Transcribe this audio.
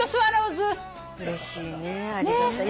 うれしいねありがたい。